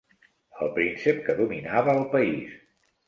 El príncep que dominava el país.